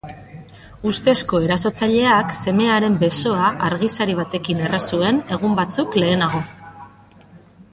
Ustezko erasotzaileak semearen besoa argizari batekin erre zuen egun batzuk lehenago.